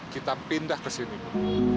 kita pindah ke sini bu